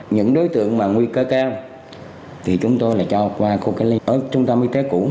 những đối tượng mà nguy cơ cao thì chúng tôi lại cho qua khu cách ly ở trung tâm y tế cũ